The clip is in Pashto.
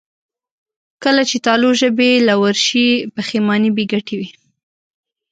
کله چې تالو ژبې له ورشي، پښېماني بېګټې وي.